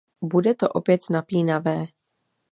Bude to opět napínavé.